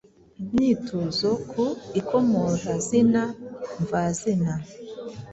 Imyitozo ku ikomorazina mvazina